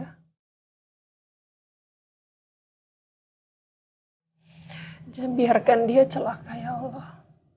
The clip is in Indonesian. jangan biarkan dia celaka ya allah